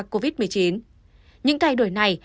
covid một mươi chín những thay đổi này